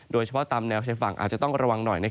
โดยเฉพาะตามแนวชายฝั่งอาจจะต้องระวังหน่อย